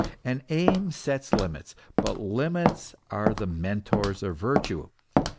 An aim sets limits ; but limits are the mentors of virtue.